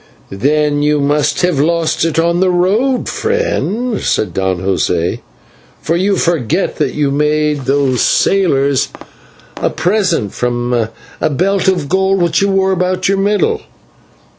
"Then you must have lost it on the road, friend," said Don José, "for you forget that you made those sailors a present from a belt of gold which you wore about your middle.